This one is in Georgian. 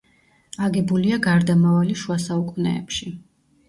აგებულია გარდამავალი შუა საუკუნეებში.